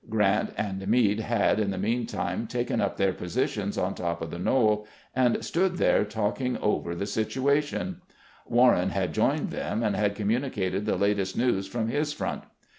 Grant and Meade had, in the mean time, taken up their positions on top of the knoll and stood there talking over the situation ; Warren had joined them, and had communicated the latest news from his front.